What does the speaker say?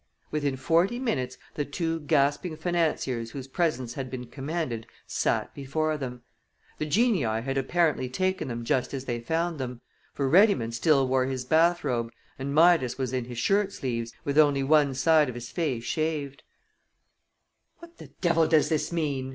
Within forty minutes the two gasping financiers whose presence had been commanded sat before them. The genii had apparently taken them just as they found them, for Reddymun still wore his bath robe and Midas was in his shirt sleeves, with only one side of his face shaved. [Illustration: "WHAT DOES THIS MEAN?" THEY DEMANDED] "What the devil does this mean?"